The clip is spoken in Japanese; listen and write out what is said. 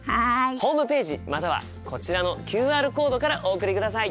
ホームページまたはこちらのＱＲコードからお送りください。